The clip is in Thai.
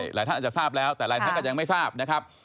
หลายท่านอาจจะทราบแล้วแต่หลายท่านก็ยังไม่ทราบนะครับ